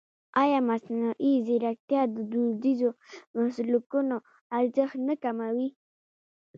ایا مصنوعي ځیرکتیا د دودیزو مسلکونو ارزښت نه کموي؟